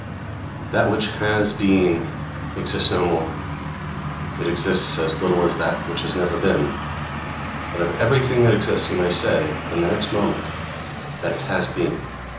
That which has been exists no more; it exists as little as that which has never been. But of everything that exists you must say, in the next moment, that it has been.